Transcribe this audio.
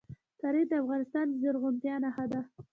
تاریخ د افغانستان د زرغونتیا نښه ده.